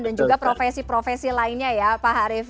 dan juga profesi profesi lainnya ya pak harief